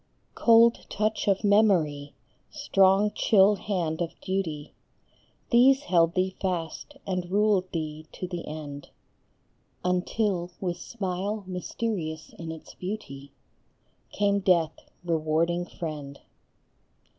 33 Cold touch of Memory, strong chill hand of Duty, These held thee fast and ruled thee to the end, Until, with smile mysterious in its beauty, Came Death, rewarding friend.